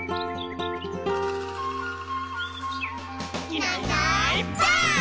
「いないいないばあっ！」